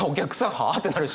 「はあ？」ってなるし。